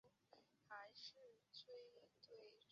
两年后任解放军总后勤部副部长。